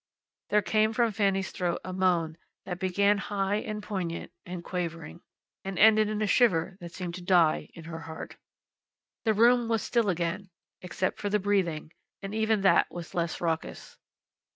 There came from Fanny's throat a moan that began high, and poignant, and quavering, and ended in a shiver that seemed to die in her heart. The room was still again, except for the breathing, and even that was less raucous.